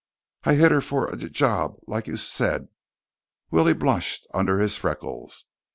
"I hit her for a j job, like you s said." Willie blushed under his freckles.